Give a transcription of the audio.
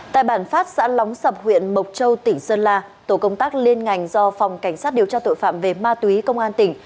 tại bản phát xã lóng sập huyện mộc châu tỉnh sơn la tổ công tác liên ngành do phòng cảnh sát điều tra tội phạm về ma túy công an tỉnh